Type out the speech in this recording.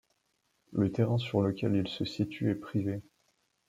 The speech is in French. Le terrain sur lequel ils se situent est privé.